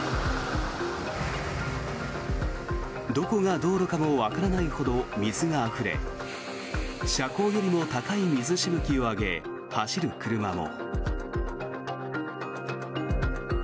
どこが道路かもわからないほど水があふれ車高よりも高い水しぶきを上げ走る車も。